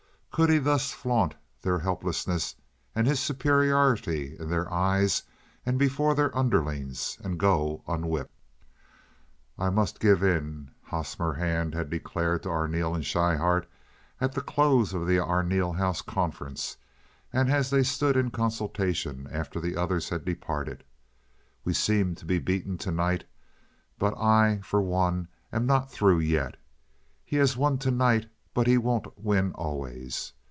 Could he thus flaunt their helplessness and his superiority in their eyes and before their underlings and go unwhipped? "I must give in!" Hosmer Hand had declared to Arneel and Schryhart, at the close of the Arneel house conference and as they stood in consultation after the others had departed. "We seem to be beaten to night, but I, for one, am not through yet. He has won to night, but he won't win always.